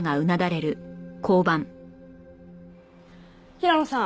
平野さん。